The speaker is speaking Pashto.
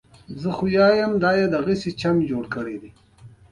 ایا زه له یو ګیلاس اوبه څښلی شم؟